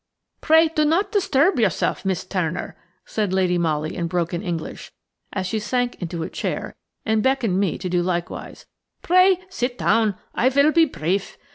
"Pray do not disturb yourself, Miss Turner," said Lady Molly in broken English, as she sank into a chair, and beckoned me to do likewise. "Pray sit down–I vill be brief.